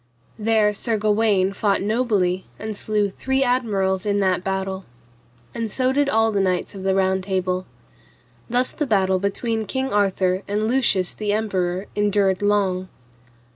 There Sir Gawaine fought nobly and slew three admirals in that battle. And so did all the knights of the Round Table. Thus the battle between King Arthur and Lucius the Emperor endured long.